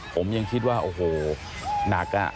ผมยังคิดว่าโอ้โหหนักอ่ะ